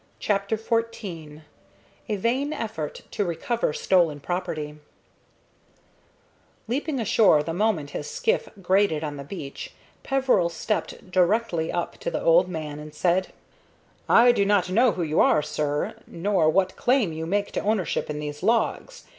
CHAPTER XIV A VAIN EFFORT TO RECOVER STOLEN PROPERTY Leaping ashore the moment his skiff grated on the beach, Peveril stepped directly up to the old man and said: "I do not know who you are, sir, nor what claim you make to ownership in those logs.